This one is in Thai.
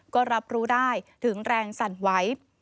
ก็รับรู้ได้ถึงแรงสั่นไหว